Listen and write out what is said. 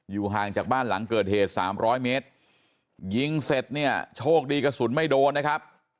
ห่างจากบ้านหลังเกิดเหตุสามร้อยเมตรยิงเสร็จเนี่ยโชคดีกระสุนไม่โดนนะครับ